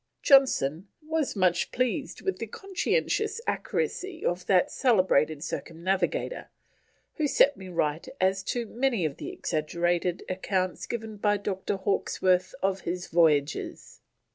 Johnson: "was much pleased with the conscientious accuracy of that celebrated circumnavigator, who set me right as to many of the exaggerated accounts given by Dr. Hawkesworth of his voyages."